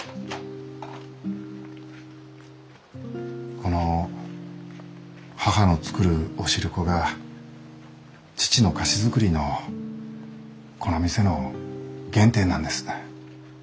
この母の作るお汁粉が父の菓子作りのこの店の原点なんです。